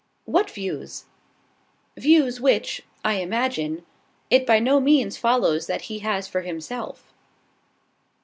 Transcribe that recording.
"What views?" "Views which, I imagine, it by no means follows that he has for himself.